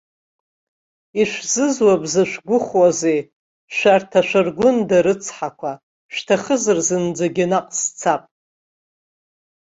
Ишәзызуп зышәгәахәуазуеи, шәарҭ ашәаргәында рыцҳақәа, шәҭахызар зынӡагьы наҟ сцап.